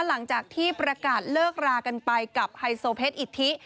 หลังจากที่ประกาศเลิกรากันไปกับไฮโซเพชรอิทธิ